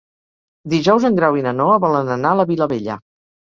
Dijous en Grau i na Noa volen anar a la Vilavella.